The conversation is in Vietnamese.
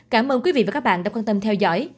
cảm ơn quý vị và các bạn đã quan tâm theo dõi